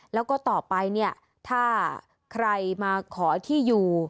แล้วก็ต่อไปเนี่ยถ้าใครมาขอที่อยู่